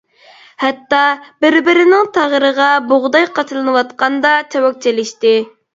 ھەتتا بىر-بىرىنىڭ تاغىرىغا بۇغداي قاچىلىنىۋاتقاندا چاۋاك چېلىشتى.